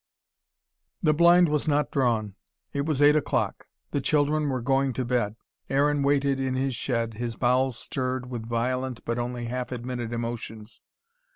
The blind was not drawn. It was eight o'clock. The children were going to bed. Aaron waited in his shed, his bowels stirred with violent but only half admitted emotions.